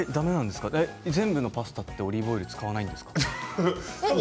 すべてのパスタにはオリーブオイルは使わないですか。